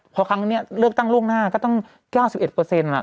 พอครั้งนี้เลือกตั้งโลกหน้าก็ตั้ง๙๑อ่ะ